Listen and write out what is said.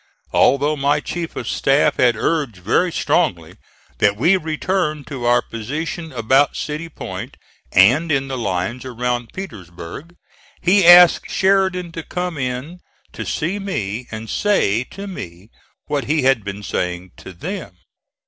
Although my chief of staff had urged very strongly that we return to our position about City Point and in the lines around Petersburg, he asked Sheridan to come in to see me and say to me what he had been saying to them.